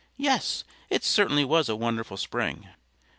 Yes! it certainly was a wonderful spring.